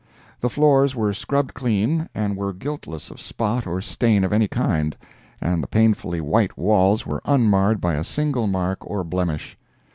The floors were scrubbed clean, and were guiltless of spot or stain of any kind, and the painfully white walls were unmarred by a single mark or blemish.